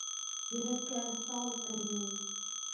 Йөрәккә сал кермәй.